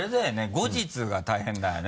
後日が大変だよね。